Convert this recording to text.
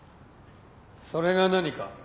それが何か？